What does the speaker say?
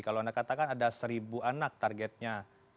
kalau anda katakan ada seribu anak targetnya